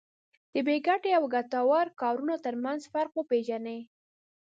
د بې ګټې او ګټورو کارونو ترمنځ فرق وپېژني.